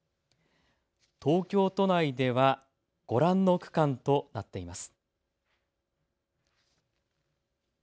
東京都内ではご覧の区間となっています。